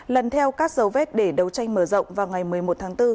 lần theo các dấu vết để đấu tranh mở rộng vào ngày một mươi một tháng bốn